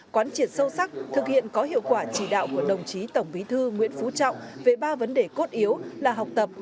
quán triệt sâu sắc thực hiện có hiệu quả chỉ đạo của đồng chí tổng bí thư nguyễn phú trọng về ba vấn đề cốt yếu là học tập